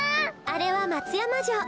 あれは松山城。